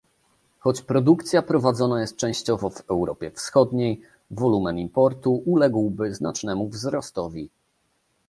Choć produkcja prowadzona jest częściowo w Europie Wschodniej, wolumen importu uległby znacznemu wzrostowi